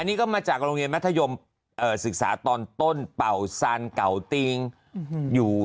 นี่ก็มาจากโรงเรียนมัธยมศึกษาตอนต้นเป่าซานเก่าติงอยู่